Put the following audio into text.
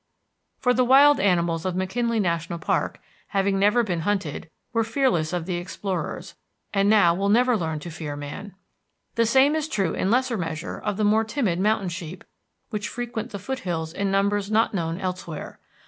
For the wild animals of McKinley National Park, having never been hunted, were fearless of the explorers, and now will never learn to fear man. The same is true in lesser measure of the more timid mountain sheep which frequent the foothills in numbers not known elsewhere.